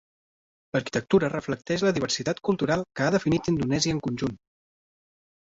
L'arquitectura reflecteix la diversitat cultural que ha definit Indonèsia en conjunt.